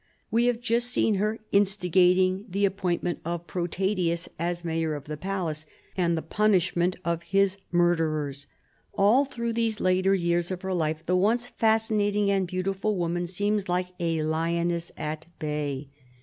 We have just seen her " instigating " the appointment of Pro tadius as mayor of the palace and the punishment of his murderers. x\ll through these later years of her life the once fascinating and beautiful woman seems like a lioness at bay.